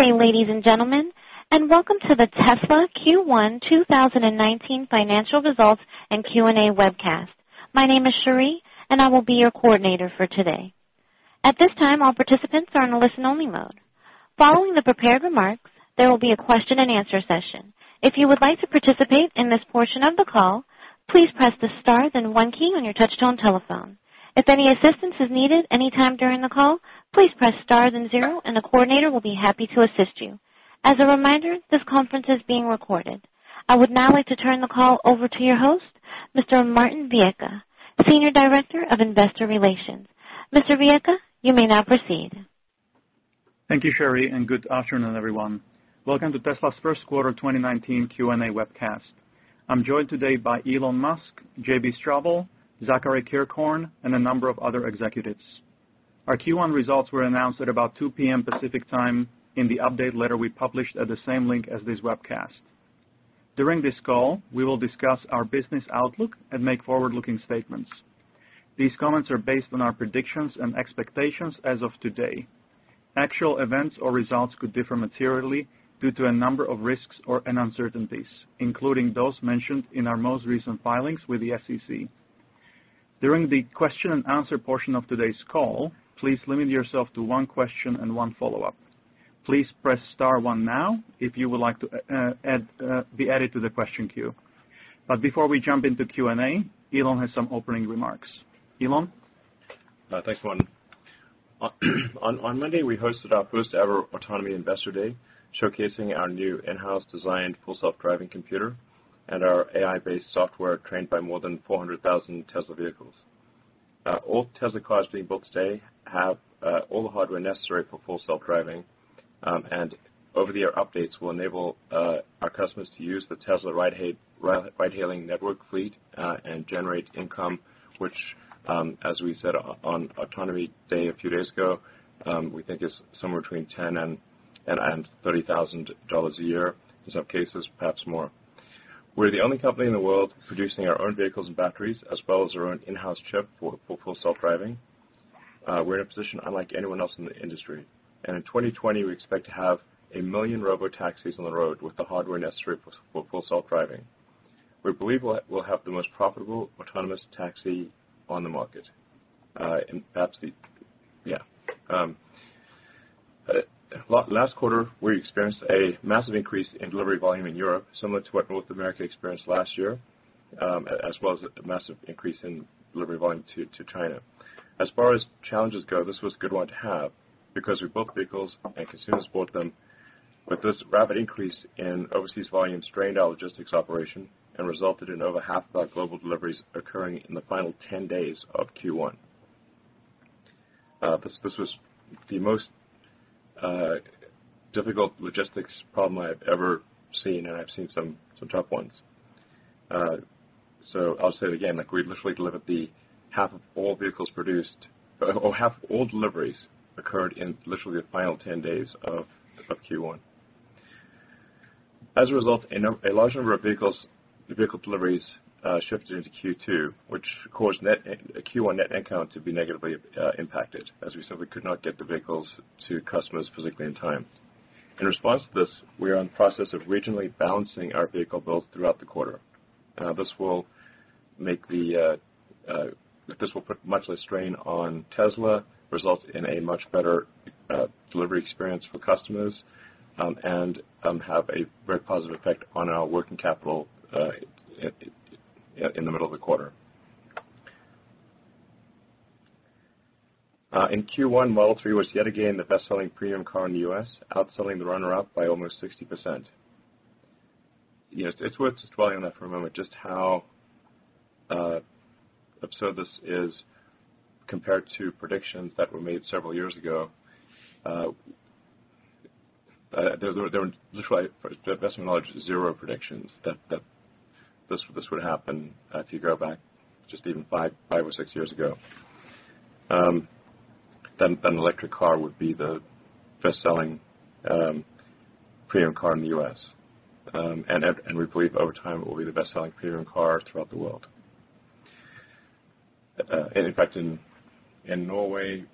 Good day, ladies and gentlemen. Welcome to the Tesla Q1 2019 financial results and Q&A webcast. My name is Sherry, and I will be your Coordinator for today. At this time, all participants are in a listen-only mode. Following the prepared remarks, there will be a question and answer session. If you would like to participate in this portion of the call, please press the star then 1 key on your touchtone telephone. If any assistance is needed any time during the call, please press star then 0, and a Coordinator will be happy to assist you. As a reminder, this conference is being recorded. I would now like to turn the call over to your host, Mr. Martin Viecha, Senior Director of Investor Relations. Mr. Viecha, you may now proceed. Thank you, Sherry. Good afternoon, everyone. Welcome to Tesla's first quarter 2019 Q&A webcast. I'm joined today by Elon Musk, JB Straubel, Zachary Kirkhorn, and a number of other executives. Our Q1 results were announced at about 2:00 P.M. Pacific Time in the update letter we published at the same link as this webcast. During this call, we will discuss our business outlook and make forward-looking statements. These comments are based on our predictions and expectations as of today. Actual events or results could differ materially due to a number of risks or uncertainties, including those mentioned in our most recent filings with the SEC. During the question and answer portion of today's call, please limit yourself to one question and one follow-up. Please press star 1 now if you would like to be added to the question queue. Before we jump into Q&A, Elon has some opening remarks. Elon? Thanks, Martin. On Monday, we hosted our first ever autonomy investor day, showcasing our new in-house designed Full Self-Driving computer and our AI-based software trained by more than 400,000 Tesla vehicles. All Tesla cars being built today have all the hardware necessary for Full Self-Driving, and over-the-air updates will enable our customers to use the Tesla ride-hailing network fleet and generate income which, as we said on Autonomy Day a few days ago, we think is somewhere between $10,000 and $30,000 a year. In some cases, perhaps more. We're the only company in the world producing our own vehicles and batteries as well as our own in-house chip for Full Self-Driving. We're in a position unlike anyone else in the industry. In 2020, we expect to have 1 million robotaxis on the road with the hardware necessary for Full Self-Driving. We believe we'll have the most profitable autonomous taxi on the market. Last quarter, we experienced a massive increase in delivery volume in Europe, similar to what North America experienced last year, as well as a massive increase in delivery volume to China. As far as challenges go, this was a good one to have because we booked vehicles and consumers bought them. This rapid increase in overseas volume strained our logistics operation and resulted in over half of our global deliveries occurring in the final 10 days of Q1. This was the most difficult logistics problem I've ever seen, and I've seen some tough ones. I'll say it again, half of all deliveries occurred in literally the final 10 days of Q1. As a result, a large number of vehicle deliveries shifted into Q2, which caused Q1 net income to be negatively impacted. As we said, we could not get the vehicles to customers physically in time. In response to this, we are in the process of regionally balancing our vehicle build throughout the quarter. This will put much less strain on Tesla, result in a much better delivery experience for customers, and have a very positive effect on our working capital in the middle of the quarter. In Q1, Model 3 was yet again the best-selling premium car in the U.S., outselling the runner-up by almost 60%. It's worth just dwelling on that for a moment, just how absurd this is compared to predictions that were made several years ago. There were literally, to the best of my knowledge, zero predictions that this would happen if you go back just even five or six years ago, that an electric car would be the best-selling premium car in the U.S. We believe over time, it will be the best-selling premium car throughout the world. In fact, in Norway,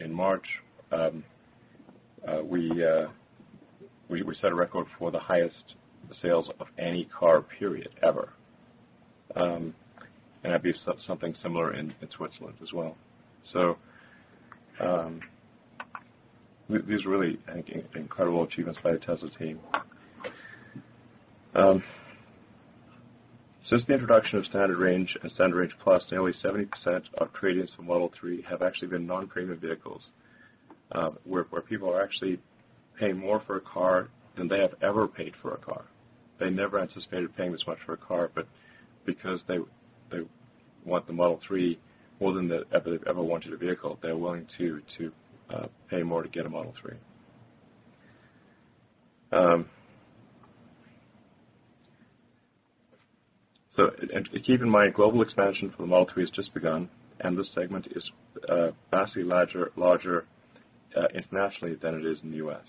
in March, we set a record for the highest sales of any car, period, ever. That'd be something similar in Switzerland as well. These are really, I think, incredible achievements by the Tesla team. Since the introduction of Standard Range and Standard Range Plus, nearly 70% of trade-ins from Model 3 have actually been non-premium vehicles, where people are actually paying more for a car than they have ever paid for a car. They never anticipated paying this much for a car, but because they want the Model 3 more than they've ever wanted a vehicle, they're willing to pay more to get a Model 3. Keep in mind, global expansion for the Model 3 has just begun, and this segment is vastly larger internationally than it is in the U.S.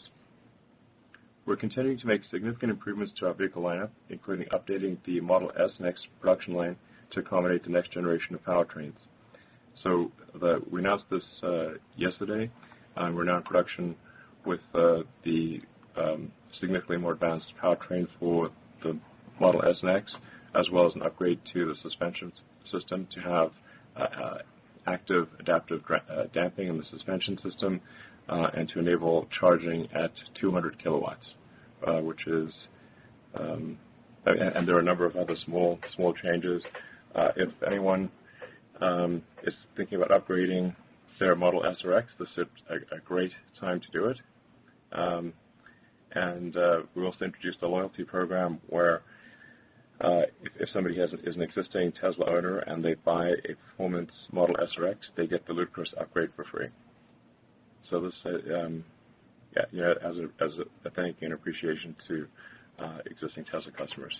We're continuing to make significant improvements to our vehicle lineup, including updating the Model S and X production line to accommodate the next generation of powertrains. We announced this yesterday, and we're now in production with the significantly more advanced powertrain for the Model S and X, as well as an upgrade to the suspension system to have active adaptive damping in the suspension system, and to enable charging at 200 kW. There are a number of other small changes. If anyone is thinking about upgrading their Model S or X, this is a great time to do it. We also introduced a loyalty program where if somebody is an existing Tesla owner and they buy a performance Model S or Model X, they get the Ludicrous upgrade for free. As a thank you and appreciation to existing Tesla customers.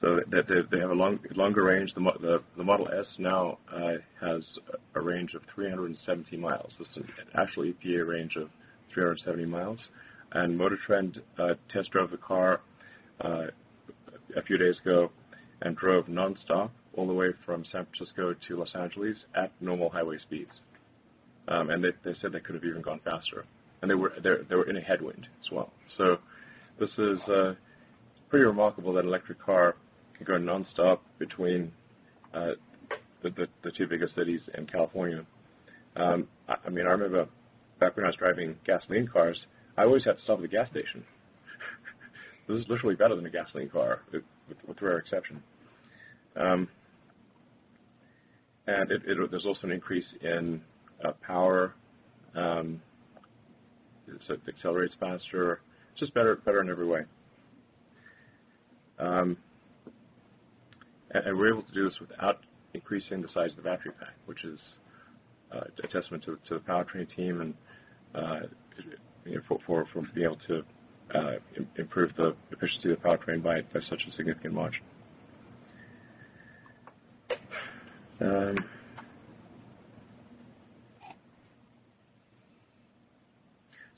They have a longer range. The Model S now has a range of 370 miles. This is an actual EPA range of 370 miles. MotorTrend test drove the car a few days ago and drove nonstop all the way from San Francisco to Los Angeles at normal highway speeds. They said they could have even gone faster. They were in a headwind as well. This is pretty remarkable that an electric car can go nonstop between the two biggest cities in California. I remember back when I was driving gasoline cars, I always had to stop at a gas station. This is literally better than a gasoline car, with rare exception. There's also an increase in power. It accelerates faster, it's just better in every way. We're able to do this without increasing the size of the battery pack, which is a testament to the powertrain team and for being able to improve the efficiency of the powertrain by such a significant margin.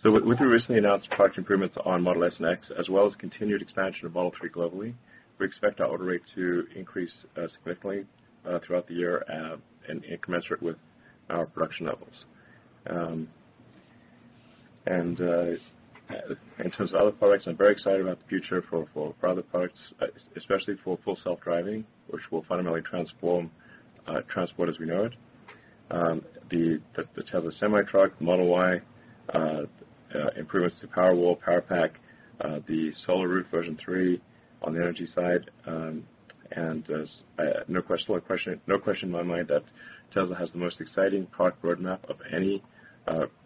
With the recently announced product improvements on Model S and Model X, as well as continued expansion of Model 3 globally, we expect our order rate to increase significantly throughout the year, and commensurate with our production levels. In terms of other products, I'm very excited about the future for our other products, especially for Full Self-Driving, which will fundamentally transform transport as we know it. The Tesla Semi truck, Model Y, improvements to Powerwall, Powerpack, the Solar Roof version 3 on the energy side. There's no question in my mind that Tesla has the most exciting product roadmap of any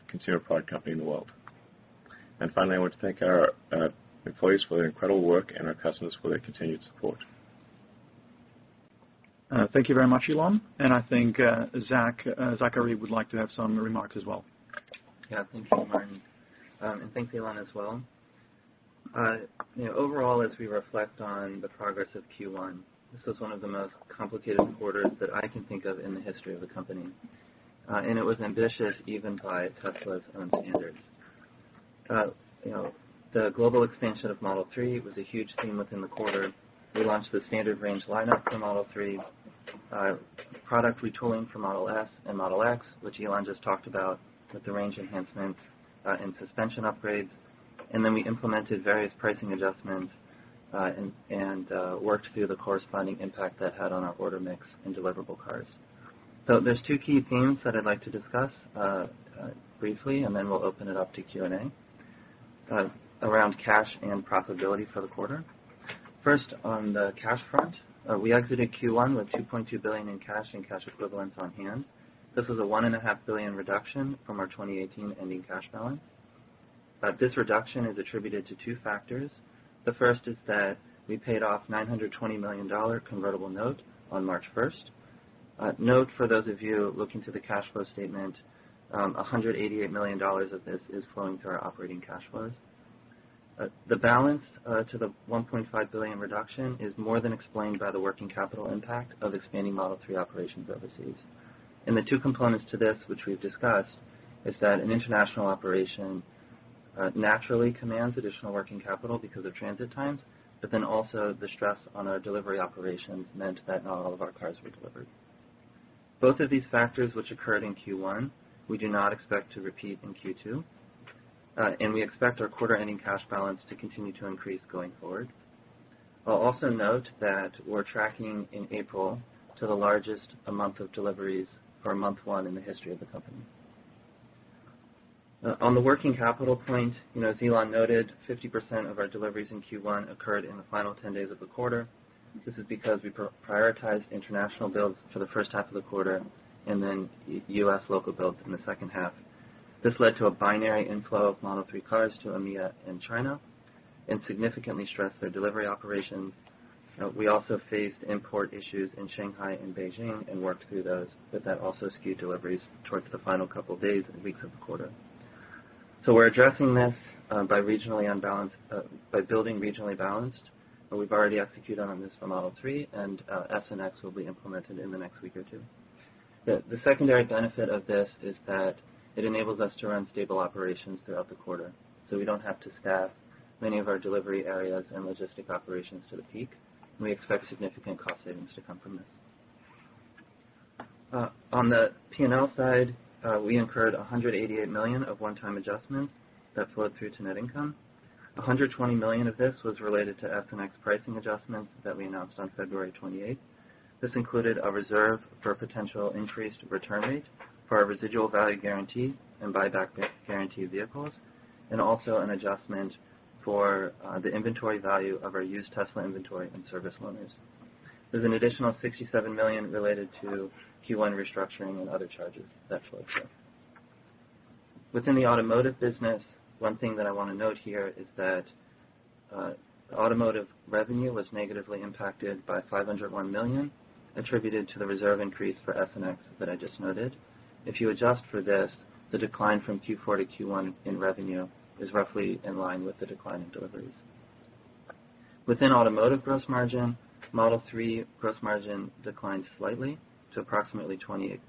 consumer product company in the world. Finally, I want to thank our employees for their incredible work and our customers for their continued support. Thank you very much, Elon. I think Zachary would like to have some remarks as well. Thank you, Martin. Thanks, Elon, as well. Overall, as we reflect on the progress of Q1, this was one of the most complicated quarters that I can think of in the history of the company. It was ambitious even by Tesla's own standards. The global expansion of Model 3 was a huge theme within the quarter. We launched the Standard Range lineup for Model 3, product retooling for Model S and Model X, which Elon just talked about, with the range enhancements and suspension upgrades. We implemented various pricing adjustments and worked through the corresponding impact that had on our order mix and deliverable cars. There are two key themes that I would like to discuss briefly, and then we will open it up to Q&A around cash and profitability for the quarter. First, on the cash front, we exited Q1 with $2.2 billion in cash and cash equivalents on hand. This was a $1.5 billion reduction from our 2018 ending cash balance. This reduction is attributed to two factors. The first is that we paid off a $920 million convertible note on March 1st. Note for those of you looking to the cash flow statement, $188 million of this is flowing to our operating cash flows. The balance to the $1.5 billion reduction is more than explained by the working capital impact of expanding Model 3 operations overseas. The two components to this, which we have discussed, is that an international operation naturally commands additional working capital because of transit times, but also the stress on our delivery operations meant that not all of our cars were delivered. Both of these factors, which occurred in Q1, we do not expect to repeat in Q2. We expect our quarter-ending cash balance to continue to increase going forward. I will also note that we are tracking in April to the largest amount of deliveries for month one in the history of the company. On the working capital point, as Elon noted, 50% of our deliveries in Q1 occurred in the final 10 days of the quarter. This is because we prioritized international builds for the first half of the quarter and then U.S. local builds in the second half. This led to a binary inflow of Model 3 cars to EMEA and China and significantly stressed their delivery operations. We also faced import issues in Shanghai and Beijing and worked through those, but that also skewed deliveries towards the final couple of days and weeks of the quarter. We are addressing this by building regionally balanced. We have already executed on this for Model 3, and S and X will be implemented in the next week or two. The secondary benefit of this is that it enables us to run stable operations throughout the quarter, so we do not have to staff many of our delivery areas and logistic operations to the peak, and we expect significant cost savings to come from this. On the P&L side, we incurred $188 million of one-time adjustments that flowed through to net income. $120 million of this was related to S and X pricing adjustments that we announced on February 28th. This included a reserve for potential increased return rate for our residual value guarantee and buyback guaranteed vehicles, and also an adjustment for the inventory value of our used Tesla inventory and service loans. There's an additional $67 million related to Q1 restructuring and other charges that flow through. Within the automotive business, one thing that I want to note here is that automotive revenue was negatively impacted by $501 million, attributed to the reserve increase for S and X that I just noted. If you adjust for this, the decline from Q4 to Q1 in revenue is roughly in line with the decline in deliveries. Within automotive gross margin, Model 3 gross margin declined slightly to approximately 20%.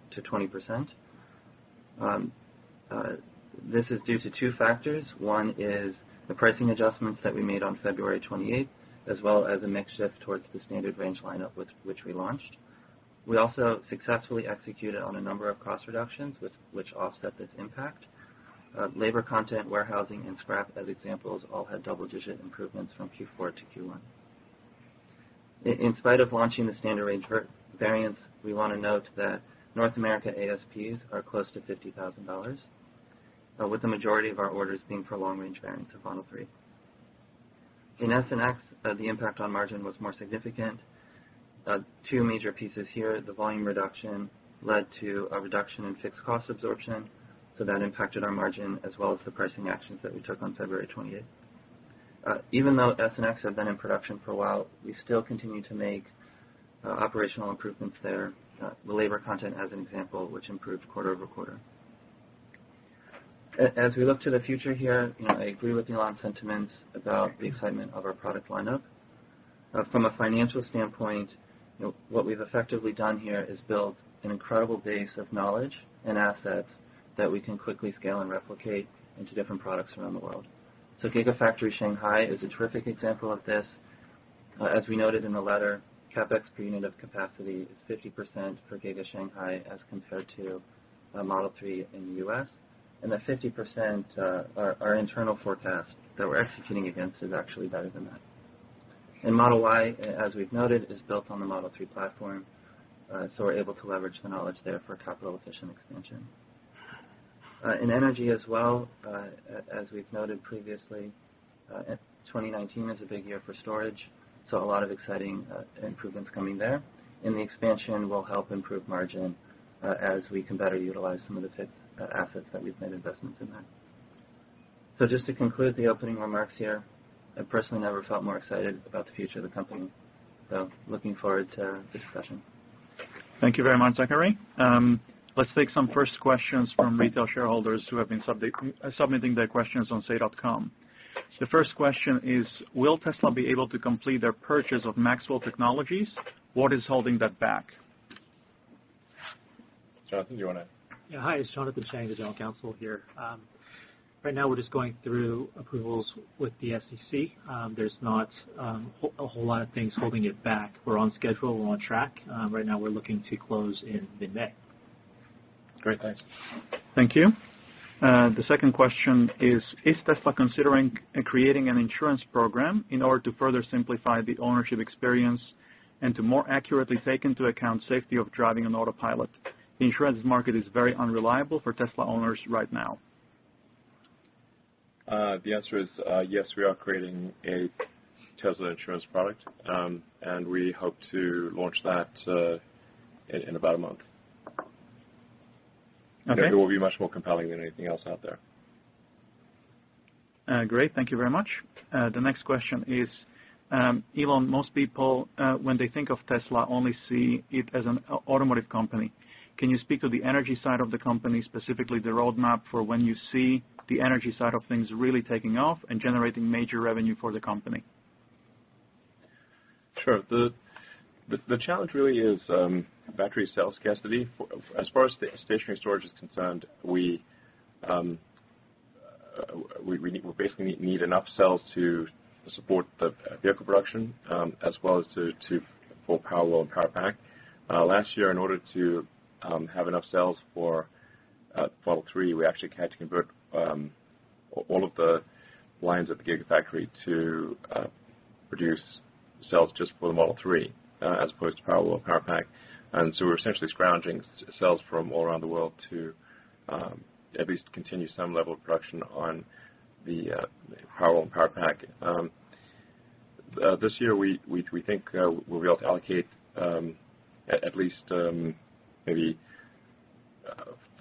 This is due to two factors. One is the pricing adjustments that we made on February 28th, as well as a mix shift towards the Standard Range lineup, which we launched. We also successfully executed on a number of cost reductions, which offset this impact. Labor content, warehousing, and scrap, as examples, all had double-digit improvements from Q4 to Q1. In spite of launching the Standard Range variants, we want to note that North America ASPs are close to $50,000, with the majority of our orders being for Long Range variants of Model 3. In S and X, the impact on margin was more significant. Two major pieces here, the volume reduction led to a reduction in fixed cost absorption, so that impacted our margin, as well as the pricing actions that we took on February 28th. Even though S and X have been in production for a while, we still continue to make operational improvements there. The labor content, as an example, which improved quarter-over-quarter. As we look to the future here, I agree with Elon's sentiments about the excitement of our product lineup. From a financial standpoint, what we've effectively done here is build an incredible base of knowledge and assets that we can quickly scale and replicate into different products around the world. Gigafactory Shanghai is a terrific example of this. As we noted in the letter, CapEx per unit of capacity is 50% for Giga Shanghai as compared to a Model 3 in the U.S. The 50% our internal forecast that we're executing against is actually better than that. Model Y, as we've noted, is built on the Model 3 platform, so we're able to leverage the knowledge there for capital efficient expansion. In energy as well, as we've noted previously, 2019 is a big year for storage, so a lot of exciting improvements coming there. The expansion will help improve margin as we can better utilize some of the fixed assets that we've made investments in there. Just to conclude the opening remarks here, I personally never felt more excited about the future of the company, looking forward to the discussion. Thank you very much, Zachary. Let's take some first questions from retail shareholders who have been submitting their questions on Say. The first question is, will Tesla be able to complete their purchase of Maxwell Technologies? What is holding that back? Jonathan, do you want to? Yeah. Hi, it's Jonathan Chang, the general counsel here. Right now, we're just going through approvals with the SEC. There's not a whole lot of things holding it back. We're on schedule. We're on track. Right now, we're looking to close in mid-May. Great. Thanks. The second question is Tesla considering creating an insurance program in order to further simplify the ownership experience and to more accurately take into account safety of driving on Autopilot? The insurance market is very unreliable for Tesla owners right now. The answer is yes, we are creating a Tesla insurance product, and we hope to launch that in about a month. Okay. It will be much more compelling than anything else out there. Great. Thank you very much. The next question is, Elon, most people, when they think of Tesla, only see it as an automotive company. Can you speak to the energy side of the company, specifically the roadmap for when you see the energy side of things really taking off and generating major revenue for the company? Sure. The challenge really is battery cells scarcity. As far as stationary storage is concerned, we basically need enough cells to support the vehicle production, as well as to full Powerwall and Powerpack. Last year, in order to have enough cells for Model 3, we actually had to convert all of the lines at the Gigafactory to produce cells just for the Model 3 as opposed to Powerwall, Powerpack. We're essentially scrounging cells from all around the world to at least continue some level of production on the Powerwall and Powerpack. This year, we think we'll be able to allocate at least maybe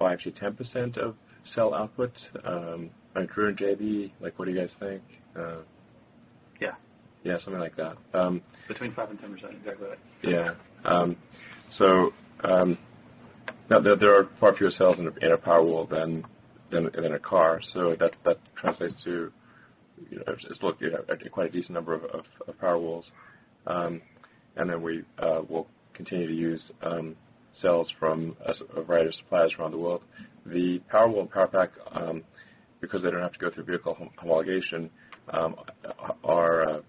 5%-10% of cell output on current JV. What do you guys think? Yeah. Yeah, something like that. Between 5% and 10%, exactly. Yeah. Now there are far fewer cells in a Powerwall than in a car. That translates to, you have quite a decent number of Powerwalls. We will continue to use cells from a variety of suppliers from around the world. The Powerwall and Powerpack, because they don't have to go through vehicle homologation, are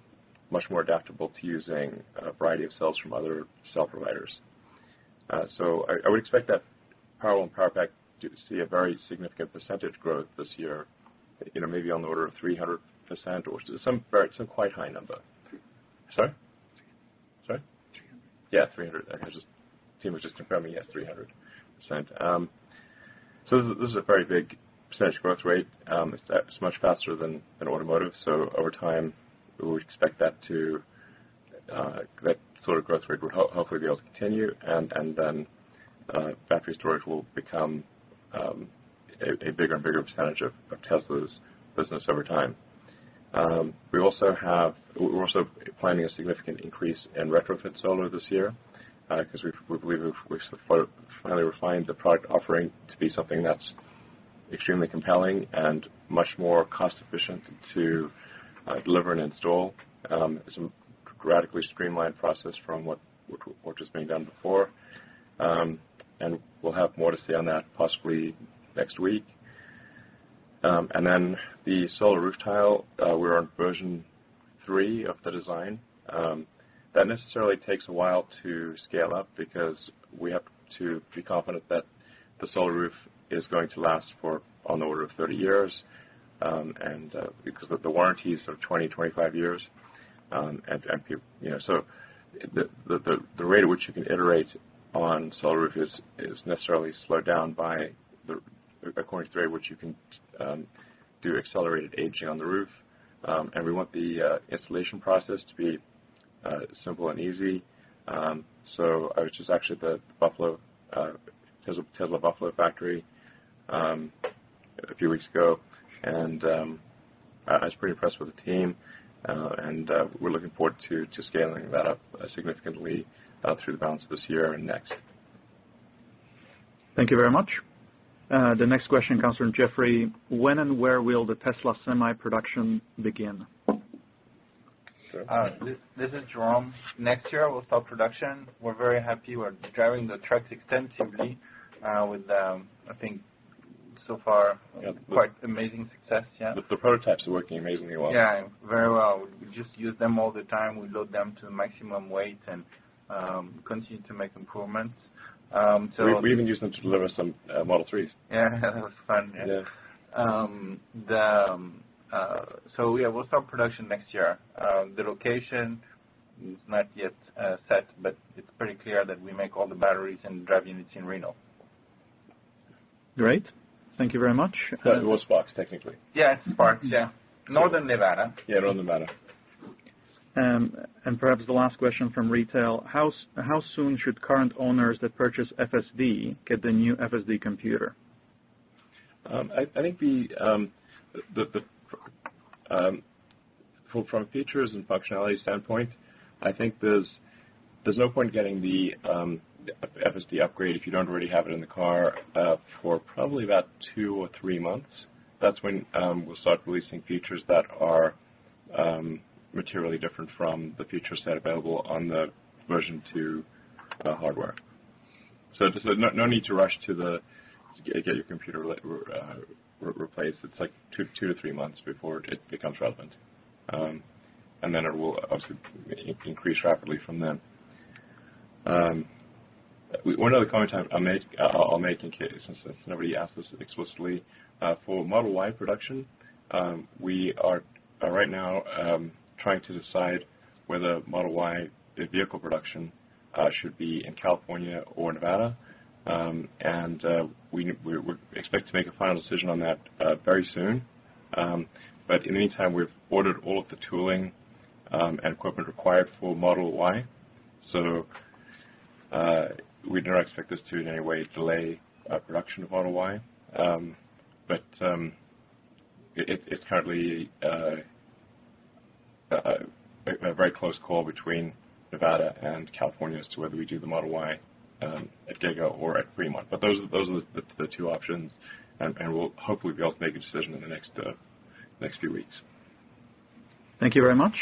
much more adaptable to using a variety of cells from other cell providers. I would expect that Powerwall and Powerpack to see a very significant percentage growth this year. Maybe on the order of 300% or some quite high number. 300. Sorry? 300. Sorry? 300. Yeah, 300. Okay. The team was just confirming. Yes, 300%. This is a very big percentage growth rate. It's much faster than automotive. Over time, we would expect that sort of growth rate would hopefully be able to continue and then battery storage will become a bigger and bigger percentage of Tesla's business over time. We're also planning a significant increase in retrofit solar this year, because we've finally refined the product offering to be something that's extremely compelling and much more cost-efficient to deliver and install. It's a radically streamlined process from what was being done before. We'll have more to say on that possibly next week. The Solar Roof tile, we're on version 3 of the design. That necessarily takes a while to scale up because we have to be confident that the Solar Roof is going to last for on the order of 30 years, and because the warranty is for 20, 25 years. The rate at which you can iterate on Solar Roof is necessarily slowed down by the rate at which you can do accelerated aging on the roof. We want the installation process to be simple and easy. I was just actually at the Tesla Buffalo factory a few weeks ago, and I was pretty impressed with the team. We're looking forward to scaling that up significantly through the balance of this year and next. Thank you very much. The next question comes from Jeffrey. When and where will the Tesla Semi production begin? Sure. This is Jerome. Next year we'll start production. We're very happy we're driving the trucks extensively with, I think so far, quite amazing success. Yeah. The prototypes are working amazingly well. Yeah, very well. We just use them all the time. We load them to maximum weight and continue to make improvements. We even used them to deliver some Model 3s. Yeah. That was fun. Yeah. Yeah, we'll start production next year. The location is not yet set, but it's pretty clear that we make all the batteries and drive units in Reno. Great. Thank you very much. Well, it's Sparks, technically. Yeah, it's Sparks. Yeah. Northern Nevada. Yeah, Northern Nevada. Perhaps the last question from retail. How soon should current owners that purchase FSD get the new FSD computer? From a features and functionality standpoint, I think there's no point in getting the FSD upgrade if you don't already have it in the car for probably about two or three months. That's when we'll start releasing features that are materially different from the feature set available on the version 2 hardware. There's no need to rush to get your computer replaced. It's like two to three months before it becomes relevant. Then it will obviously increase rapidly from then. One other comment I'll make in case, since nobody asked this explicitly. For Model Y production, we are right now trying to decide whether Model Y, the vehicle production, should be in California or Nevada. We expect to make a final decision on that very soon. In the meantime, we've ordered all of the tooling and equipment required for Model Y. We do not expect this to in any way delay production of Model Y. It's currently a very close call between Nevada and California as to whether we do the Model Y at Giga or at Fremont. Those are the two options, and we'll hopefully be able to make a decision in the next few weeks. Thank you very much.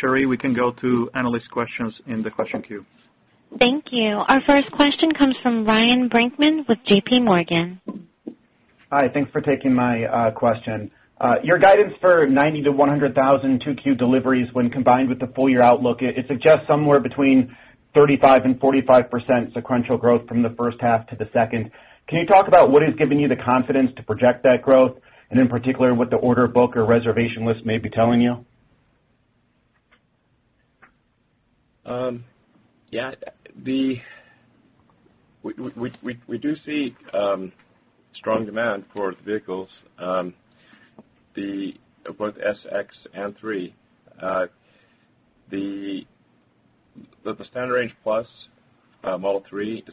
Sherry, we can go to analyst questions in the question queue. Thank you. Our first question comes from Ryan Brinkman with J.P. Morgan. Hi. Thanks for taking my question. Your guidance for 90,000-100,000 2Q deliveries when combined with the full year outlook, it suggests somewhere between 35%-45% sequential growth from the first half to the second. Can you talk about what has given you the confidence to project that growth, and in particular, what the order book or reservation list may be telling you? Yeah. We do see strong demand for the vehicles, both the S, X, and 3. The Standard Range Plus Model 3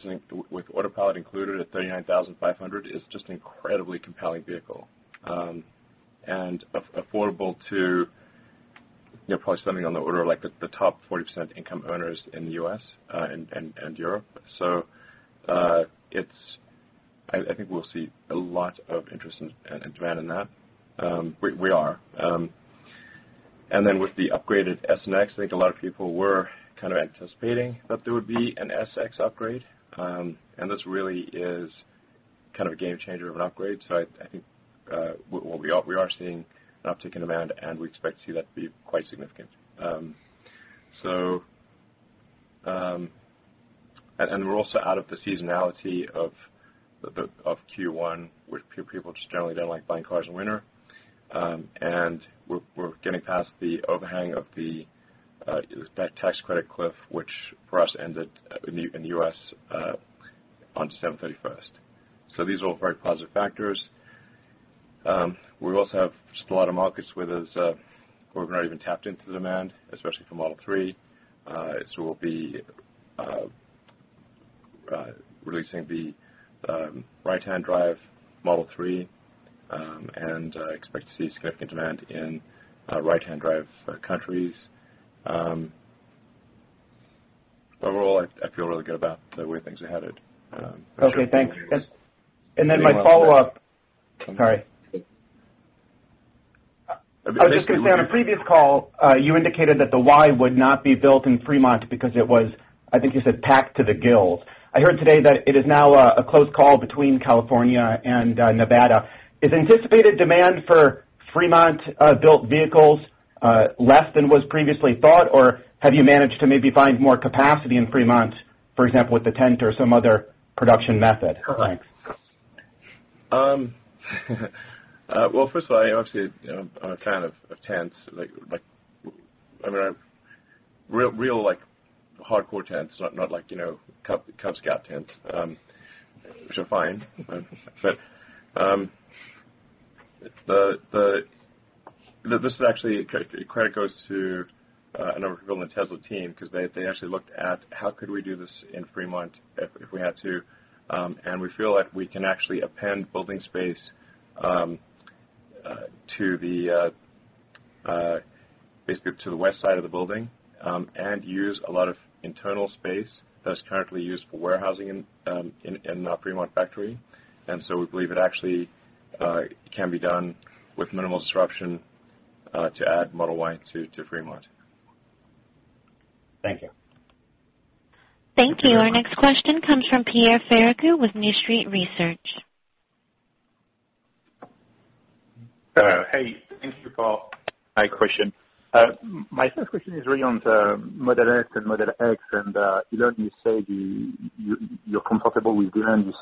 with Autopilot included at $39,500 is just an incredibly compelling vehicle and affordable to probably something on the order like the top 40% income earners in the U.S. and Europe. I think we'll see a lot of interest and demand in that. We are. Then with the upgraded S and X, I think a lot of people were anticipating that there would be an S/X upgrade. This really is a game changer of an upgrade. I think we are seeing an uptick in demand, and we expect to see that be quite significant. We're also out of the seasonality of Q1, where people just generally don't like buying cars in winter. We're getting past the overhang of the tax credit cliff, which for us ended in the U.S. on December 31st. These are all very positive factors. We also have still a lot of markets where we've not even tapped into the demand, especially for Model 3. We'll be releasing the right-hand drive Model 3 and expect to see significant demand in right-hand drive countries. Overall, I feel really good about the way things are headed. Okay, thanks. Sorry. I was just going to say, on a previous call, you indicated that the Y would not be built in Fremont because it was, I think you said, packed to the gills. I heard today that it is now a close call between California and Nevada. Is anticipated demand for Fremont-built vehicles less than was previously thought, or have you managed to maybe find more capacity in Fremont, for example, with the tent or some other production method? Thanks. Well, first of all, obviously, I'm a fan of tents. Real hardcore tents, not like Cub Scout tents, which are fine. This is actually, credit goes to a number of people on the Tesla team because they actually looked at how could we do this in Fremont if we had to, and we feel like we can actually append building space basically to the west side of the building and use a lot of internal space that is currently used for warehousing in our Fremont factory. We believe it actually can be done with minimal disruption to add Model Y to Fremont. Thank you. Thank you. Our next question comes from Pierre Ferragu with New Street Research. Thank you for taking my question. My first question is really on the Model S and Model X. Earlier you said you're comfortable with demand.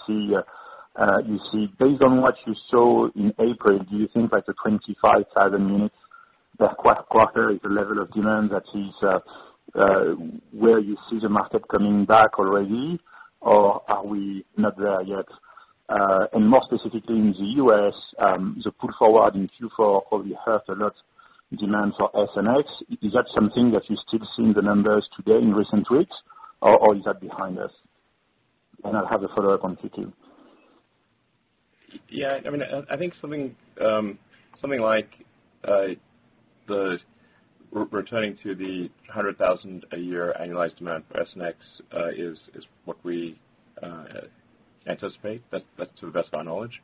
Based on what you saw in April, do you think that the 25,000 units per quarter is the level of demand that is where you see the market coming back already, or are we not there yet? More specifically, in the U.S., the pull forward in Q4 probably hurt a lot the demand for S and X. Is that something that you're still seeing the numbers today in recent weeks, or is that behind us? I'll have a follow-up on Q2. Yeah, I think something like returning to the 100,000 a year annualized demand for S and X is what we anticipate. That's to the best of our knowledge.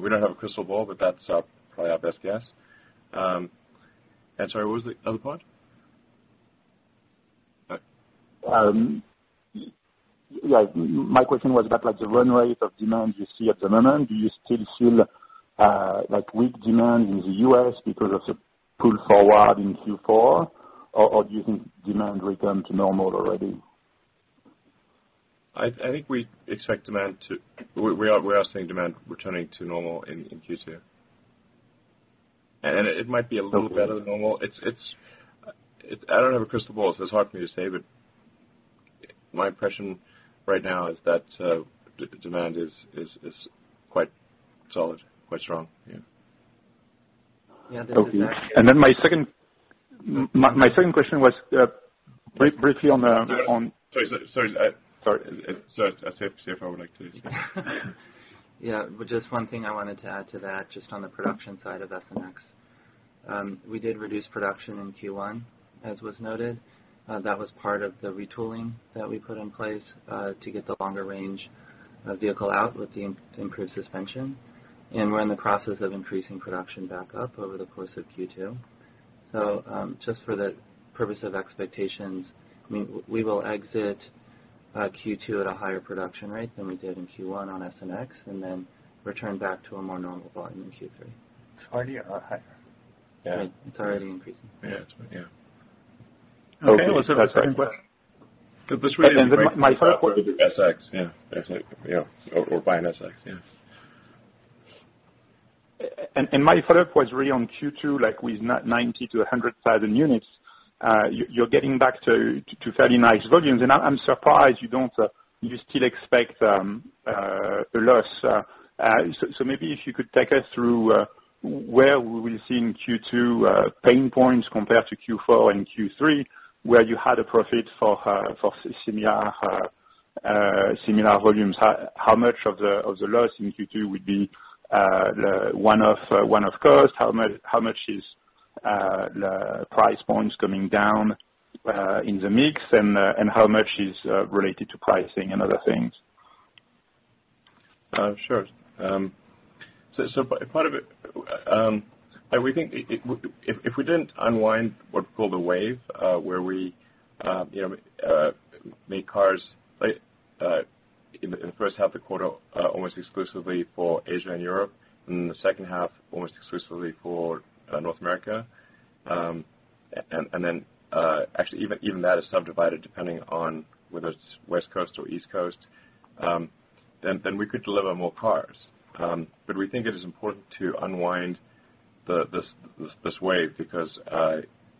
We don't have a crystal ball, but that's probably our best guess. Sorry, what was the other part? My question was about the run rate of demand you see at the moment. Do you still feel weak demand in the U.S. because of the pull forward in Q4, or do you think demand returned to normal already? I think we expect demand. We are seeing demand returning to normal in Q2. It might be a little better than normal. I don't have a crystal ball, so it's hard for me to say, but my impression right now is that demand is quite solid, quite strong. Yeah. Okay. My second question was briefly on. Sorry. CF, Yeah. Just one thing I wanted to add to that, just on the production side of S and X. We did reduce production in Q1, as was noted. That was part of the retooling that we put in place to get the longer range vehicle out with the improved suspension. We're in the process of increasing production back up over the course of Q2. Just for the purpose of expectations, we will exit Q2 at a higher production rate than we did in Q1 on S and X, then return back to a more normal volume in Q3. It's already a lot higher. Yeah. It's already increasing. Yeah, that's right. Yeah. Okay. What's the second question? S and X. Yeah. Buying S, X. Yeah. My follow-up was really on Q2, with 90,000-100,000 units. You're getting back to fairly nice volumes, and I'm surprised you still expect a loss. Maybe if you could take us through where we will see in Q2 pain points compared to Q4 and Q3, where you had a profit for similar volumes. How much of the loss in Q2 would be one of cost? How much is the price points coming down in the mix, and how much is related to pricing and other things? Sure. Part of it, we think if we didn't unwind what we call the wave, where we make cars late in the first half of the quarter, almost exclusively for Asia and Europe, and in the second half almost exclusively for North America. Actually, even that is subdivided, depending on whether it's West Coast or East Coast, then we could deliver more cars. We think it is important to unwind this wave because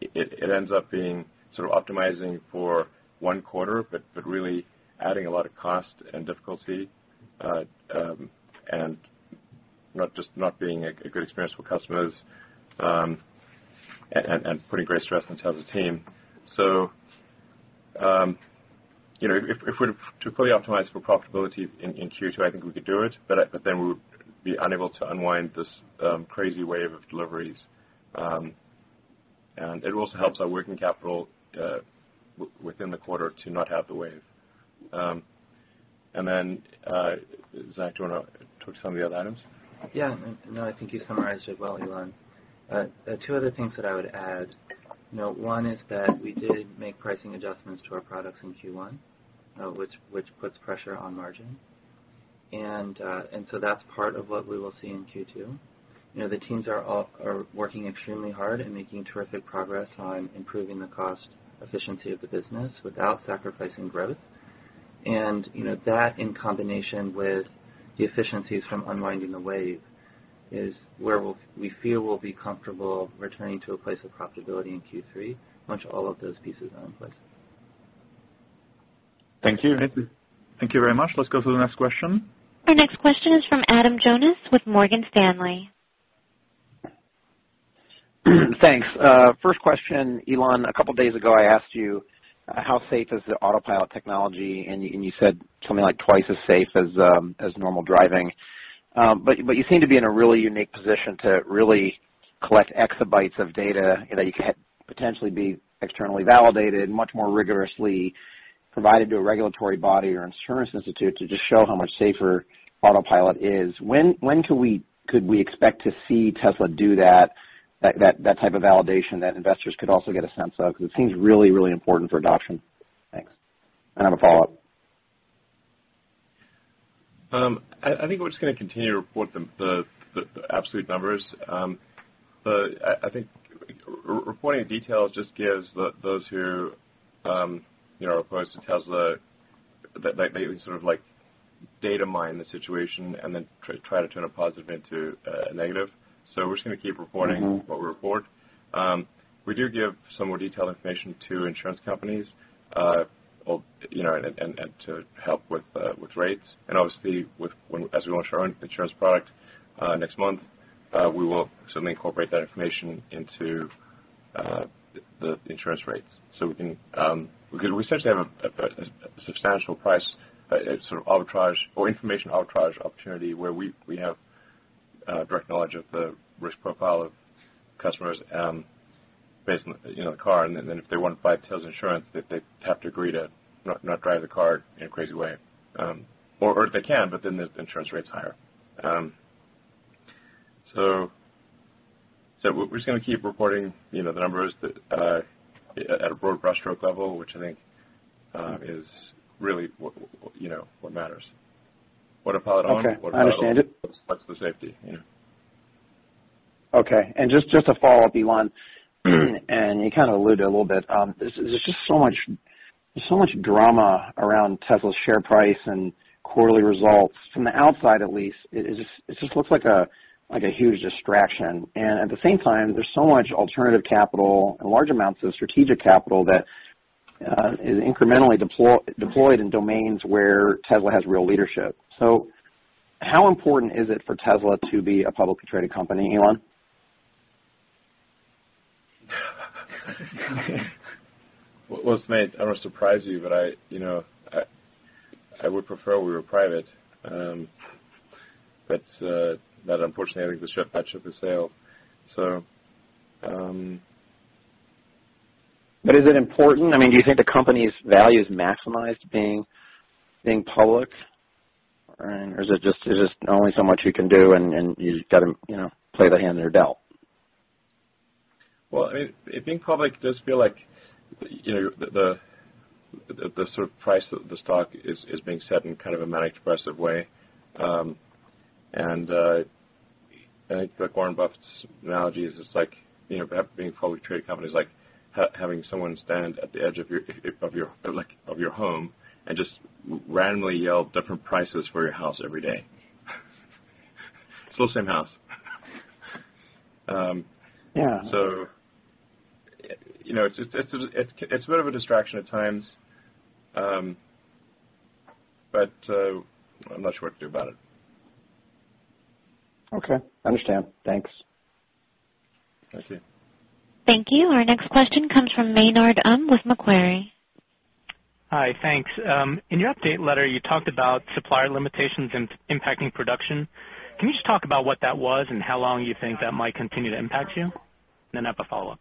it ends up being sort of optimizing for one quarter, but really adding a lot of cost and difficulty, and just not being a good experience for customers, and putting great stress on Tesla's team. If we're to fully optimize for profitability in Q2, I think we could do it, we would be unable to unwind this crazy wave of deliveries. It also helps our working capital, within the quarter, to not have the wave. Zach, do you want to talk to some of the other items? Yeah. No, I think you summarized it well, Elon. Two other things that I would add. One is that we did make pricing adjustments to our products in Q1, which puts pressure on margin. That's part of what we will see in Q2. The teams are working extremely hard and making terrific progress on improving the cost efficiency of the business without sacrificing growth. That, in combination with the efficiencies from unwinding the wave, is where we feel we'll be comfortable returning to a place of profitability in Q3 once all of those pieces are in place. Thank you. Thank you. Thank you very much. Let's go to the next question. Our next question is from Adam Jonas with Morgan Stanley. Thanks. First question, Elon. A couple of days ago, I asked you how safe is the Autopilot technology, and you said something like twice as safe as normal driving. You seem to be in a really unique position to really collect exabytes of data that you could potentially be externally validated, much more rigorously provided to a regulatory body or insurance institute to just show how much safer Autopilot is. When could we expect to see Tesla do that type of validation that investors could also get a sense of? It seems really, really important for adoption. Thanks. I have a follow-up. I think we're just going to continue to report the absolute numbers. I think reporting details just gives those who are opposed to Tesla, they sort of data mine the situation and then try to turn a positive into a negative. We're just going to keep reporting what we report. We do give some more detailed information to insurance companies, and to help with rates. Obviously, as we launch our own insurance product next month, we will certainly incorporate that information into the insurance rates. We essentially have a substantial price sort of arbitrage or information arbitrage opportunity where we have direct knowledge of the risk profile of customers based on the car. If they want to buy Tesla insurance, they have to agree to not drive the car in a crazy way. They can, the insurance rate's higher. We're just going to keep reporting the numbers at a broad brushstroke level, which I think is really what matters. Autopilot on- Okay. I understand Autopilot off, that's the safety. Okay. Just a follow-up, Elon, you kind of alluded a little bit. There's just so much drama around Tesla's share price and quarterly results. From the outside at least, it just looks like a huge distraction. At the same time, there's so much alternative capital and large amounts of strategic capital that is incrementally deployed in domains where Tesla has real leadership. How important is it for Tesla to be a publicly traded company, Elon? Well, it's made, I don't want to surprise you, but I would prefer we were private. That unfortunately, I think the ship has sailed. Is it important? Do you think the company's value is maximized being public? Is it just only so much you can do and you've got to play the hand you're dealt? Well, being public does feel like the price of the stock is being set in kind of a manic-depressive way. I think like Warren Buffett's analogy is it's like being a publicly traded company is like having someone stand at the edge of your home and just randomly yell different prices for your house every day. Still the same house. Yeah. It's a bit of a distraction at times. I'm not sure what to do about it. Okay, understand. Thanks. Thank you. Thank you. Our next question comes from Maynard Um, with Macquarie. Hi. Thanks. In your update letter, you talked about supplier limitations impacting production. Can you just talk about what that was and how long you think that might continue to impact you? I have a follow-up.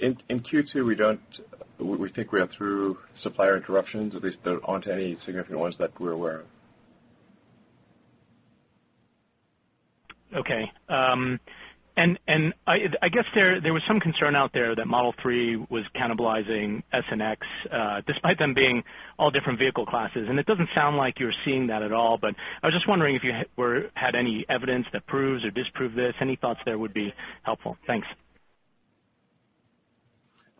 In Q2, we think we are through supplier interruptions. At least there aren't any significant ones that we're aware of. Okay. I guess there was some concern out there that Model 3 was cannibalizing S and X, despite them being all different vehicle classes, and it doesn't sound like you're seeing that at all. I was just wondering if you had any evidence that proves or disproves this. Any thoughts there would be helpful. Thanks.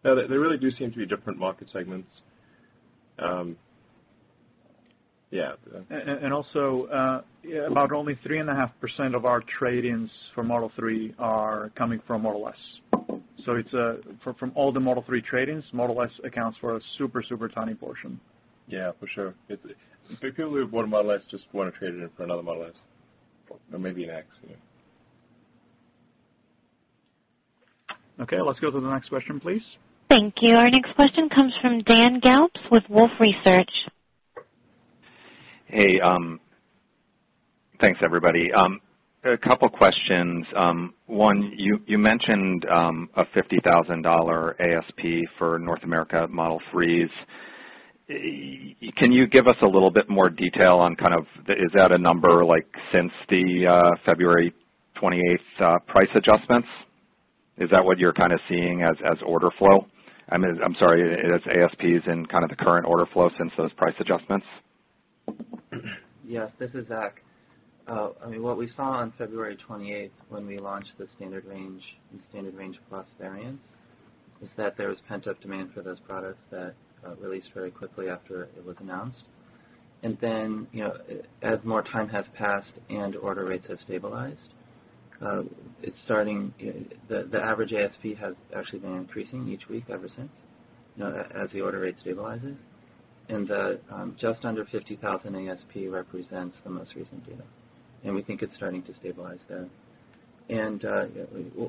No, they really do seem to be different market segments. Yeah. Also, about only 3.5% of our trade-ins for Model 3 are coming from Model S. From all the Model 3 trade-ins, Model S accounts for a super tiny portion. Yeah, for sure. People who bought a Model S just want to trade it in for another Model S or maybe a Model X. Yeah. Okay, let's go to the next question, please. Thank you. Our next question comes from Dan Galves with Wolfe Research. Hey, thanks everybody. A couple questions. One, you mentioned a $50,000 ASP for North America Model 3s. Can you give us a little bit more detail on, is that a number since the February 28th price adjustments? Is that what you're seeing as order flow? I'm sorry, as ASPs in the current order flow since those price adjustments? Yes, this is Zach. What we saw on February 28th when we launched the Standard Range and Standard Range Plus variants, is that there was pent-up demand for those products that released very quickly after it was announced. Then, as more time has passed and order rates have stabilized, the average ASP has actually been increasing each week ever since, as the order rate stabilizes. The just under $50,000 ASP represents the most recent data, and we think it's starting to stabilize there.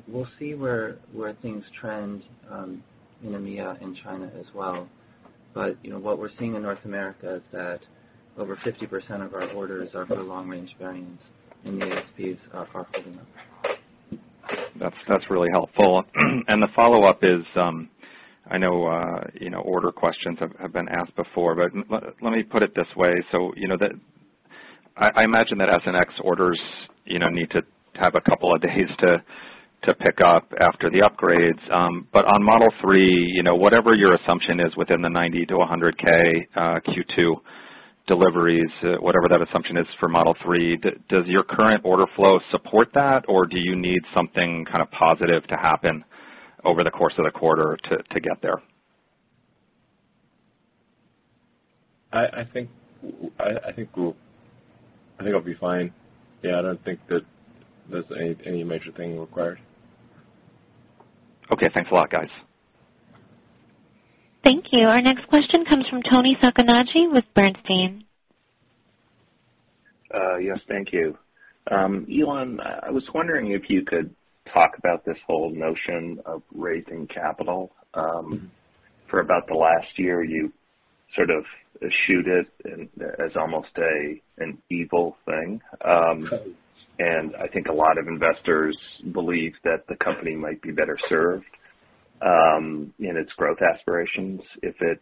We'll see where things trend in EMEA and China as well. What we're seeing in North America is that over 50% of our orders are for long-range variants, and the ASPs are far higher than that. That's really helpful. The follow-up is, I know order questions have been asked before, let me put it this way. I imagine that S and X orders need to have a couple of days to pick up after the upgrades. On Model 3, whatever your assumption is within the 90,000 to 100,000 Q2 deliveries, whatever that assumption is for Model 3, does your current order flow support that, or do you need something positive to happen over the course of the quarter to get there? I think it'll be fine. Yeah, I don't think that there's any major thing required. Okay. Thanks a lot, guys. Thank you. Our next question comes from Toni Sacconaghi with Bernstein. Yes, thank you. Elon, I was wondering if you could talk about this whole notion of raising capital. For about the last year, you sort of shooed it as almost an evil thing. I think a lot of investors believe that the company might be better served in its growth aspirations if it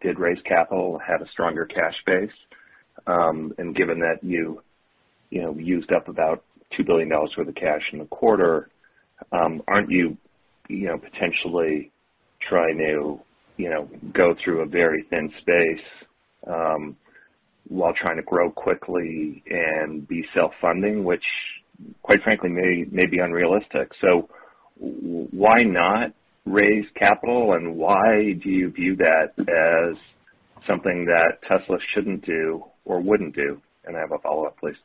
did raise capital, had a stronger cash base. Given that you used up about $2 billion worth of cash in a quarter, aren't you potentially trying to go through a very thin space while trying to grow quickly and be self-funding, which quite frankly, may be unrealistic. Why not raise capital, and why do you view that as something that Tesla shouldn't do or wouldn't do? I have a follow-up, please.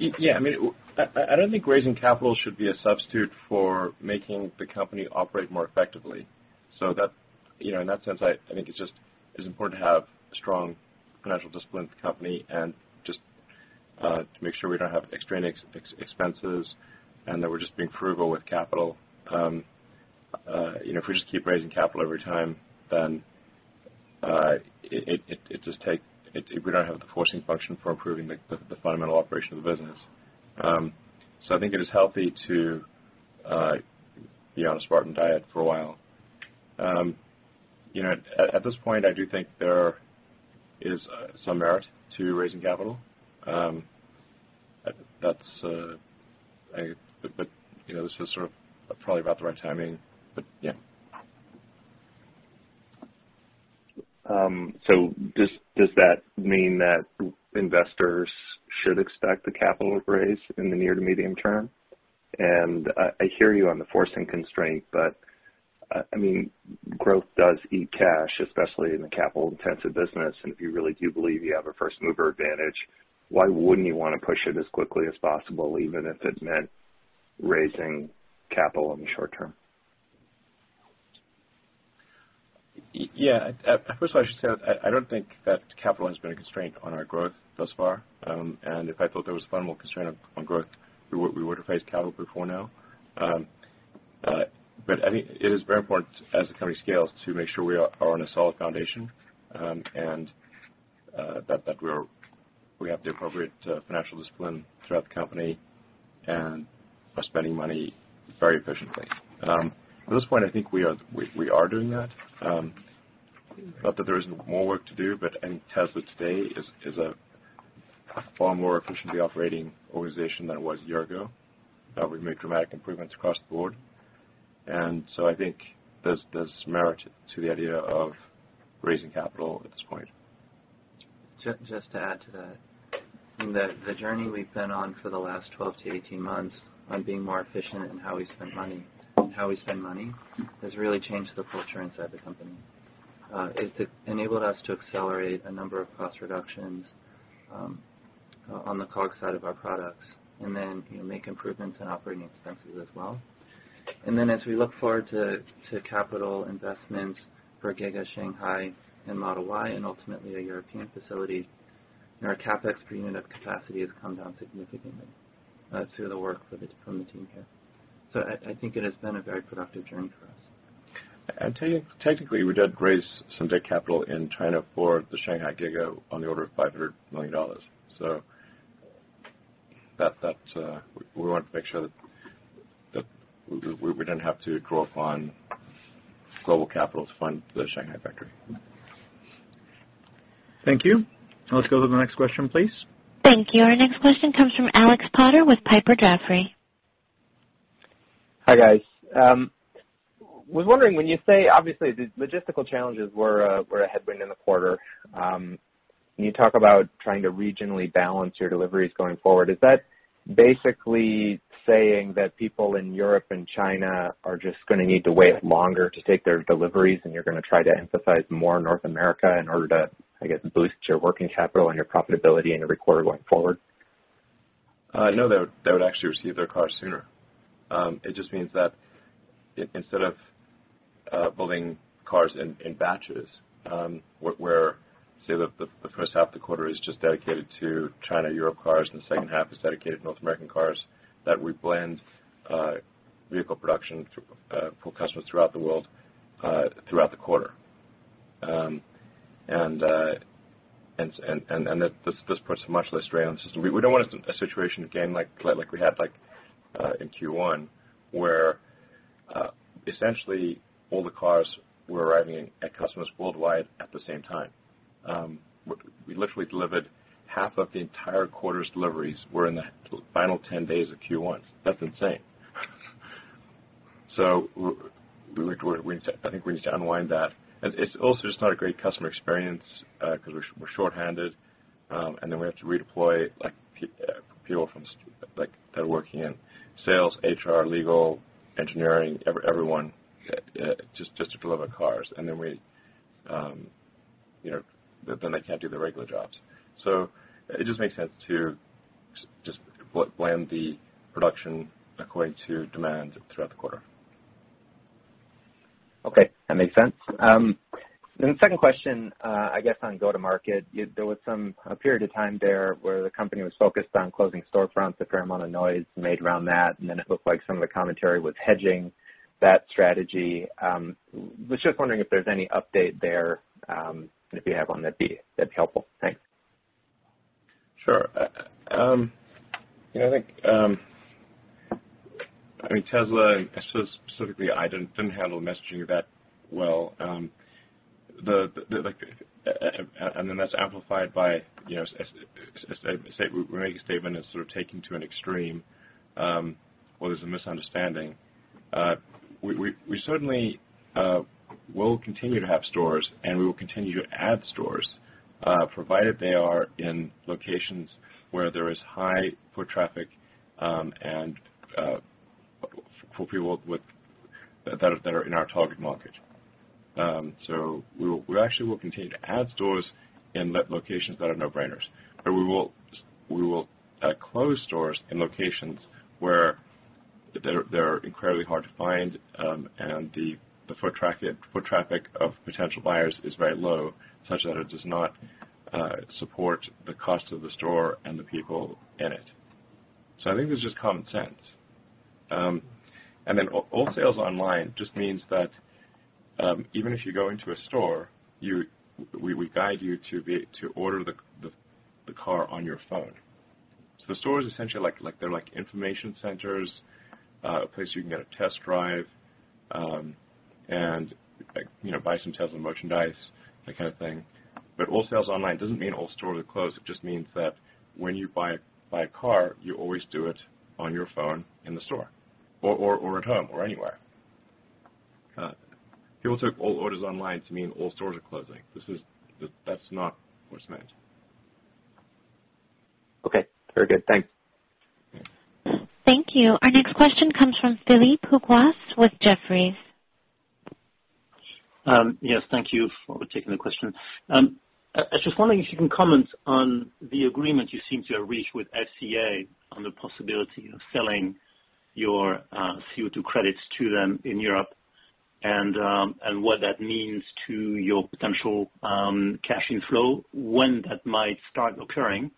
I don't think raising capital should be a substitute for making the company operate more effectively. In that sense, I think it's just as important to have a strong financial discipline at the company and just to make sure we don't have extraneous expenses and that we're just being frugal with capital. If we just keep raising capital every time, then we don't have the forcing function for improving the fundamental operation of the business. I think it is healthy to be on a Spartan diet for a while. At this point, I do think there is some merit to raising capital. This is probably about the right timing. Does that mean that investors should expect a capital raise in the near to medium term? I hear you on the forcing constraint, growth does eat cash, especially in a capital-intensive business. If you really do believe you have a first-mover advantage, why wouldn't you want to push it as quickly as possible, even if it meant raising capital in the short term? First of all, I should say, I don't think that capital has been a constraint on our growth thus far. If I thought there was fundamental constraint on growth, we would have raised capital before now. It is very important as the company scales to make sure we are on a solid foundation and that we have the appropriate financial discipline throughout the company and are spending money very efficiently. At this point, I think we are doing that. Not that there isn't more work to do, I think Tesla today is a far more efficiently operating organization than it was a year ago. We've made dramatic improvements across the board. I think there's merit to the idea of raising capital at this point. Just to add to that, the journey we've been on for the last 12-18 months on being more efficient in how we spend money has really changed the culture inside the company. It's enabled us to accelerate a number of cost reductions on the COGS side of our products and then make improvements in operating expenses as well. As we look forward to capital investments for Giga Shanghai and Model Y and ultimately a European facility, our CapEx per unit of capacity has come down significantly through the work from the team here. I think it has been a very productive journey for us. Technically, we did raise some debt capital in China for the Shanghai Giga on the order of $500 million. We wanted to make sure that we didn't have to draw upon global capital to fund the Shanghai factory. Thank you. Now let's go to the next question, please. Thank you. Our next question comes from Alex Potter with Piper Jaffray. Hi, guys. I was wondering, when you say, obviously, the logistical challenges were a headwind in the quarter, and you talk about trying to regionally balance your deliveries going forward, is that basically saying that people in Europe and China are just going to need to wait longer to take their deliveries and you're going to try to emphasize more North America in order to, I guess, boost your working capital and your profitability in every quarter going forward? No, they would actually receive their cars sooner. It just means that instead of building cars in batches, where, say, the first half of the quarter is just dedicated to China/Europe cars and the second half is dedicated to North American cars, that we blend vehicle production for customers throughout the world throughout the quarter. This puts much less strain on the system. We don't want a situation again like we had in Q1 where essentially all the cars were arriving at customers worldwide at the same time. We literally delivered half of the entire quarter's deliveries were in the final 10 days of Q1. That's insane. I think we need to unwind that. It's also just not a great customer experience because we're short-handed and then we have to redeploy people that are working in sales, HR, legal, engineering, everyone just to deliver cars. They can't do their regular jobs. It just makes sense to just blend the production according to demand throughout the quarter. Okay. That makes sense. The second question, I guess on go-to-market, there was a period of time there where the company was focused on closing storefronts, a fair amount of noise made around that, and then it looked like some of the commentary was hedging that strategy. Was just wondering if there's any update there and if you have one, that'd be helpful? Thanks. Sure. I think Tesla, specifically, I didn't handle the messaging of that well and then that's amplified by, we make a statement that's sort of taken to an extreme or there's a misunderstanding. We certainly will continue to have stores and we will continue to add stores provided they are in locations where there is high foot traffic and for people that are in our target market. We actually will continue to add stores in locations that are no-brainers, but we will close stores in locations where they're incredibly hard to find and the foot traffic of potential buyers is very low such that it does not support the cost of the store and the people in it. I think it's just common sense. All sales online just means that even if you go into a store, we guide you to order the car on your phone. The store is essentially like information centers, a place you can get a test drive and buy some Tesla merchandise, that kind of thing. All sales online doesn't mean all stores are closed. It just means that when you buy a car, you always do it on your phone in the store or at home or anywhere. People took all orders online to mean all stores are closing. That's not what's meant. Okay. Very good. Thanks. Thank you. Our next question comes from Philippe Houchois with Jefferies. Yes, thank you for taking the question. I was just wondering if you can comment on the agreement you seem to have reached with FCA on the possibility of selling your CO2 credits to them in Europe, and what that means to your potential cash inflow, when that might start occurring,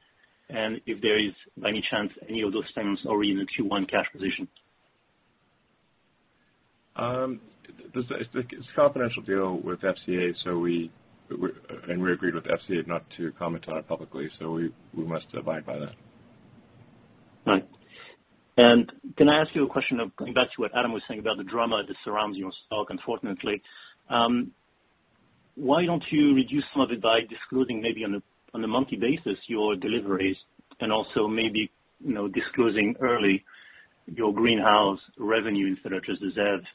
and if there is, by any chance, any of those things already in the Q1 cash position. It's a confidential deal with FCA, we agreed with FCA not to comment on it publicly, we must abide by that. Right. Can I ask you a question of going back to what Adam was saying about the drama that surrounds your stock, unfortunately. Why don't you reduce some of it by disclosing maybe on a monthly basis, your deliveries, also maybe disclosing early your greenhouse revenues that are just reserved,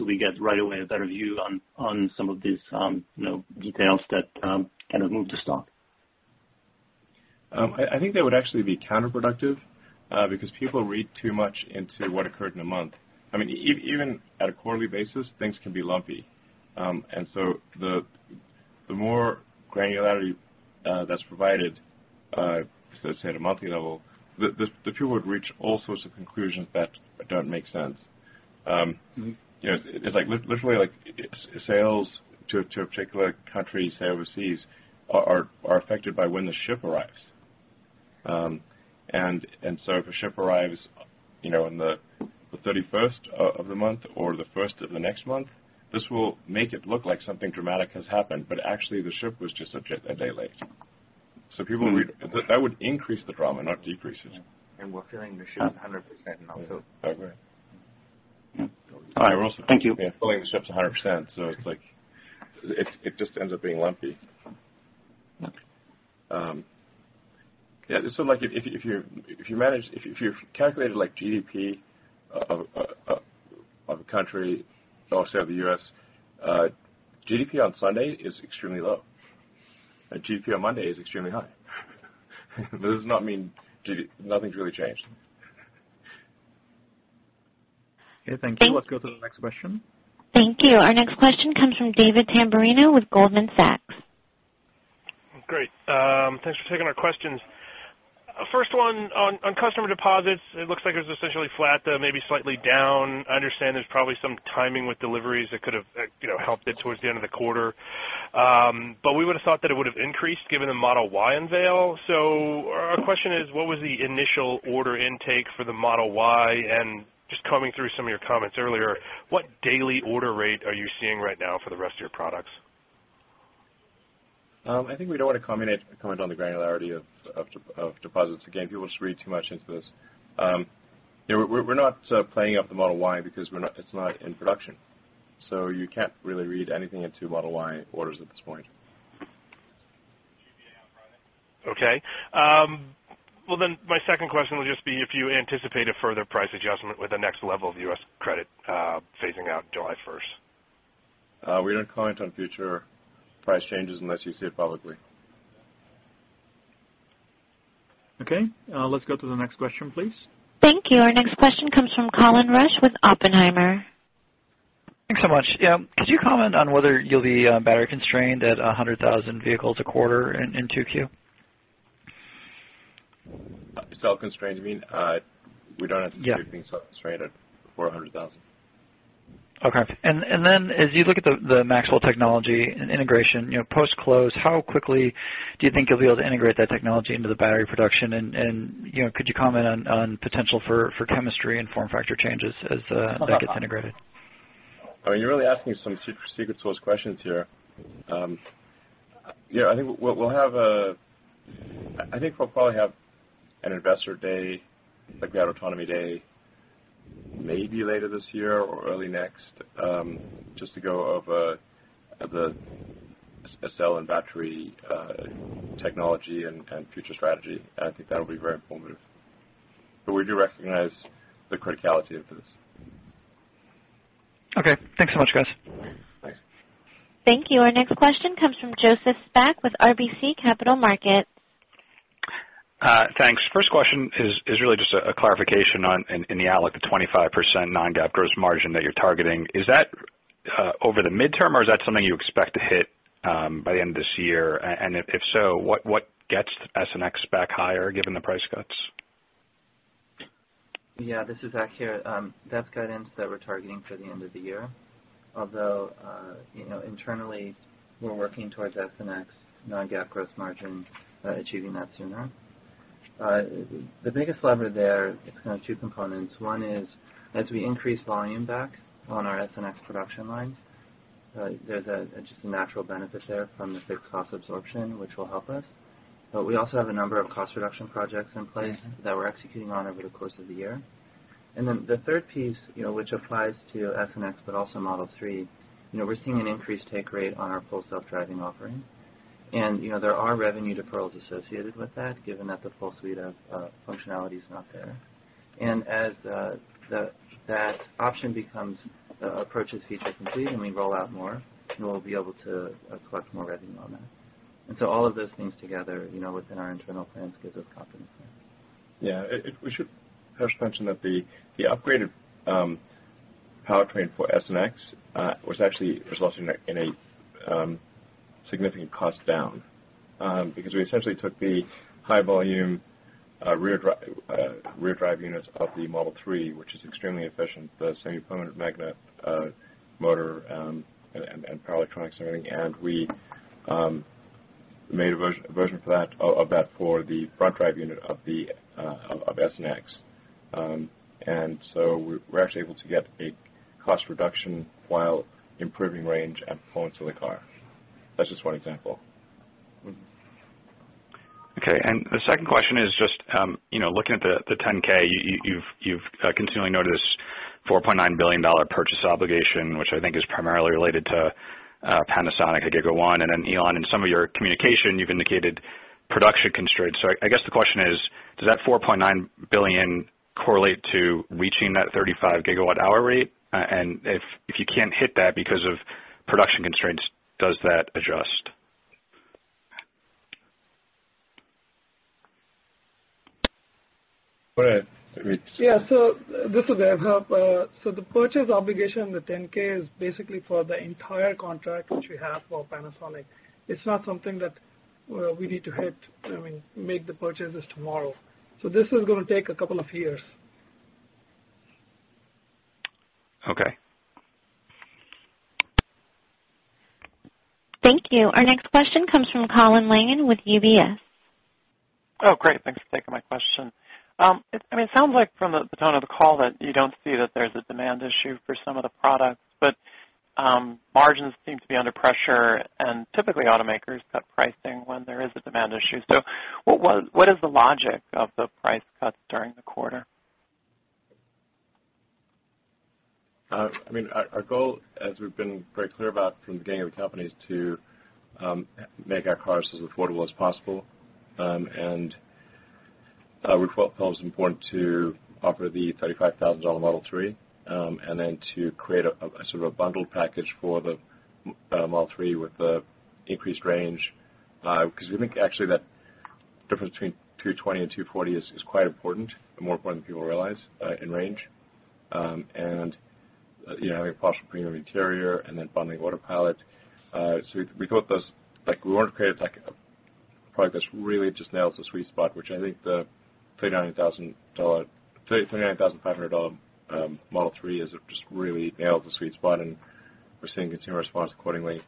we get right away a better view on some of these details that kind of move the stock? I think that would actually be counterproductive because people read too much into what occurred in a month. Even at a quarterly basis, things can be lumpy. The more granularity that's provided, let's say at a monthly level, the people would reach all sorts of conclusions that don't make sense. Literally, sales to a particular country, say overseas, are affected by when the ship arrives. If a ship arrives on the 31st of the month or the first of the next month, this will make it look like something dramatic has happened. Actually, the ship was just a day late. That would increase the drama, not decrease it. We're filling the ship 100% now, too. Oh, right. All right. Well, thank you. Yeah, filling the ships 100%. It just ends up being lumpy. Okay. Yeah. If you've calculated GDP of a country, say of the U.S., GDP on Sunday is extremely low, and GDP on Monday is extremely high. That does not mean nothing's really changed. Okay. Thank you. Thank- Let's go to the next question. Thank you. Our next question comes from David Tamberrino with Goldman Sachs. Great. Thanks for taking our questions. First one, on customer deposits, it looks like it was essentially flat, though maybe slightly down. I understand there's probably some timing with deliveries that could have helped it towards the end of the quarter. We would've thought that it would've increased given the Model Y unveil. Our question is, what was the initial order intake for the Model Y? Just combing through some of your comments earlier, what daily order rate are you seeing right now for the rest of your products? I think we don't want to comment on the granularity of deposits. Again, people just read too much into this. We're not playing up the Model Y because it's not in production, so you can't really read anything into Model Y orders at this point. Okay. My second question will just be if you anticipate a further price adjustment with the next level of U.S. credit phasing out July 1st. We don't comment on future price changes unless you see it publicly. Okay. Let's go to the next question, please. Thank you. Our next question comes from Colin Rusch with Oppenheimer. Thanks so much. Yeah. Could you comment on whether you'll be battery constrained at 100,000 vehicles a quarter in 2Q? Cell constrained, you mean? Yeah. We don't anticipate being cell constrained at 400,000. Okay. Then as you look at the Maxwell technology and integration, post-close, how quickly do you think you'll be able to integrate that technology into the battery production? Could you comment on potential for chemistry and form factor changes as that gets integrated? You're really asking some secret sauce questions here. I think we'll probably have an investor day, like we had autonomy day, maybe later this year or early next, just to go over the cell and battery technology and future strategy. I think that'll be very informative. We do recognize the criticality of this. Okay. Thanks so much, guys. Thanks. Thank you. Our next question comes from Joseph Spak with RBC Capital Markets. Thanks. First question is really just a clarification on, in the outlook, the 25% non-GAAP gross margin that you're targeting. Is that over the midterm, or is that something you expect to hit by the end of this year? If so, what gets S and X back higher given the price cuts? Yeah, this is Zach here. That's guidance that we're targeting for the end of the year. Although internally, we're working towards S and X non-GAAP gross margin, achieving that sooner. The biggest lever there, it's two components. One is as we increase volume back on our S and X production lines, there's a just natural benefit there from the fixed cost absorption, which will help us. We also have a number of cost reduction projects in place that we're executing on over the course of the year. The third piece, which applies to S and X, but also Model 3, we're seeing an increased take rate on our Full Self-Driving offering There are revenue deferrals associated with that, given that the full suite of functionality is not there. As that option approaches feature complete and we roll out more, we'll be able to collect more revenue on that. All of those things together within our internal plans gives us confidence there. We should perhaps mention that the upgraded powertrain for S and X was actually resulting in a significant cost down, because we essentially took the high volume rear drive units of the Model 3, which is extremely efficient, the semi-permanent magnet motor and power electronics and everything, and we made a version of that for the front drive unit of S and X. We were actually able to get a cost reduction while improving range and performance of the car. That's just one example. The second question is just looking at the 10-K, you've continually noticed $4.9 billion purchase obligation, which I think is primarily related to Panasonic at Giga 1. Elon, in some of your communication you've indicated production constraints. I guess the question is, does that $4.9 billion correlate to reaching that 35 gigawatt hour rate? If you can't hit that because of production constraints, does that adjust? Go ahead, [Dev]. This is [Dev]. The purchase obligation in the 10-K is basically for the entire contract which we have for Panasonic. It's not something that we need to hit, make the purchases tomorrow. This is going to take a couple of years. Okay. Thank you. Our next question comes from Colin Langan with UBS. Oh, great. Thanks for taking my question. It sounds like from the tone of the call that you don't see that there's a demand issue for some of the products, but margins seem to be under pressure and typically automakers cut pricing when there is a demand issue. What is the logic of the price cuts during the quarter? Our goal, as we've been very clear about from the beginning of the company, is to make our cars as affordable as possible. We felt it was important to offer the $35,000 Model 3, to create a bundled package for the Model 3 with the increased range. We think actually that difference between 220 and 240 is quite important and more important than people realize in range. Having a partial premium interior and then bundling Autopilot. We thought we wanted to create a product that really just nails the sweet spot, which I think the $39,500 Model 3 has just really nailed the sweet spot, and we're seeing consumer response accordingly.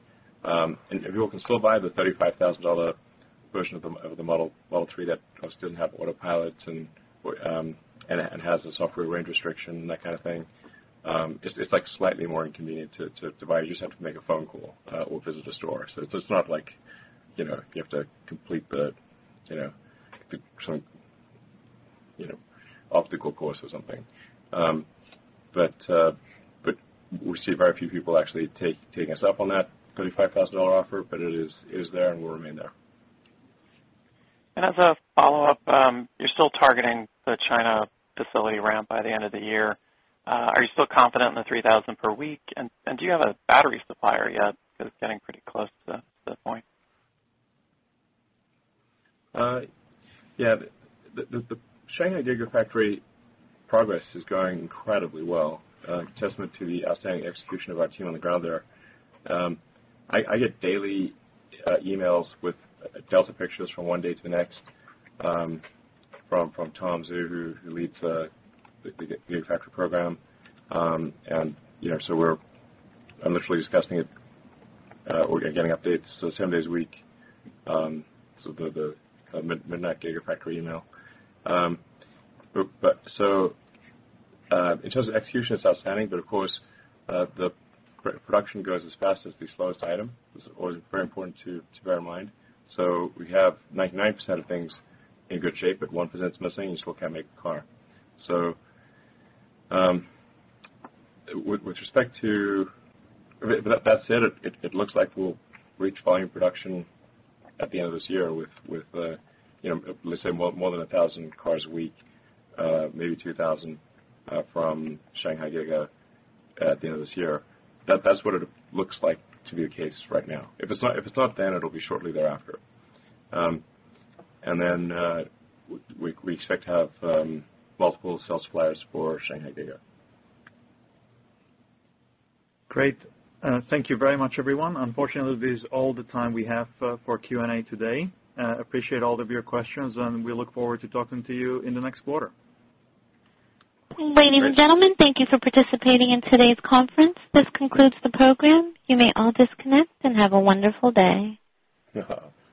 People can still buy the $35,000 version of the Model 3 that doesn't have Autopilot and has the software range restriction and that kind of thing. It's slightly more inconvenient to buy. You just have to make a phone call or visit a store. It's not like you have to complete the obstacle course or something. We see very few people actually taking us up on that $35,000 offer, but it is there and will remain there. As a follow-up, you're still targeting the China facility ramp by the end of the year. Are you still confident in the 3,000 per week, and do you have a battery supplier yet? Because it's getting pretty close to that point. The Shanghai Gigafactory progress is going incredibly well. A testament to the outstanding execution of our team on the ground there. I get daily emails with delta pictures from one day to the next from Tom Zhu, who leads the Gigafactory program. I'm literally discussing it or getting updates seven days a week, so the midnight Gigafactory email. In terms of execution, it's outstanding, but of course, the production grows as fast as the slowest item. This is always very important to bear in mind. We have 99% of things in good shape, but 1% is missing, you still can't make a car. With respect to that said, it looks like we'll reach volume production at the end of this year with, let's say more than 1,000 cars a week, maybe 2,000 from Shanghai Giga at the end of this year. That's what it looks like to be the case right now. If it's not then, it'll be shortly thereafter. We expect to have multiple cell suppliers for Shanghai Giga. Great. Thank you very much, everyone. Unfortunately, this is all the time we have for Q&A today. Appreciate all of your questions, we look forward to talking to you in the next quarter. Ladies and gentlemen, thank you for participating in today's conference. This concludes the program. You may all disconnect and have a wonderful day.